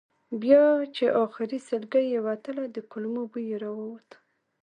بیا چې آخري سلګۍ یې وتله د کولمو بوی یې راووت.